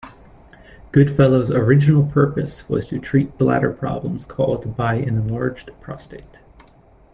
Goodfellow's original purpose was to treat bladder problems caused by an enlarged prostate.